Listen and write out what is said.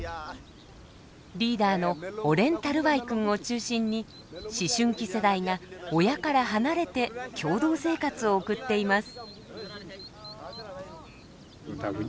リーダーのオレンタルワイ君を中心に思春期世代が親から離れて共同生活を送っています。